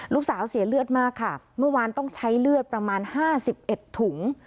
เสียเลือดมากค่ะเมื่อวานต้องใช้เลือดประมาณ๕๑ถุง